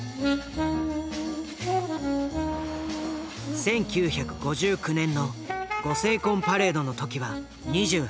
１９５９年のご成婚パレードの時は２８歳。